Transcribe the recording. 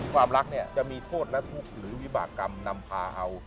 ความรักเนี่ยจะมีโทษและทุกข์หรือวิบากรรมนำพาเอา